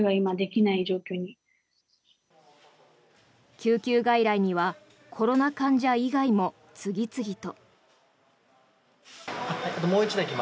救急外来にはコロナ患者以外も次々と。